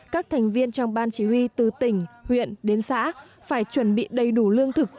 các thành viên trong ban chỉ huy từ tỉnh huyện đến xã phải chuẩn bị đầy đủ lương thực